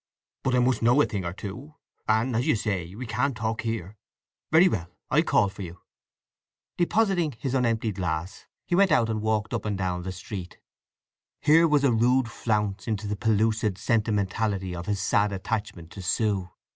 "But I must know a thing or two; and, as you say, we can't talk here. Very well; I'll call for you." Depositing his unemptied glass he went out and walked up and down the street. Here was a rude flounce into the pellucid sentimentality of his sad attachment to Sue.